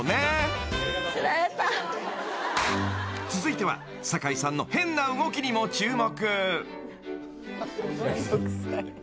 ［続いては堺さんの変な動きにも注目］